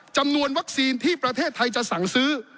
จำนวนวัคซีนที่ประเทศไทยจะสั่งซื้อ